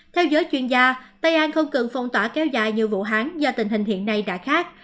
theo giới chuyên gia tây an không cần phong tỏa kéo dài nhiều vụ hán do tình hình hiện nay đã khác